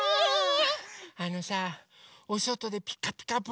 あのさおそとで「ピカピカブ！」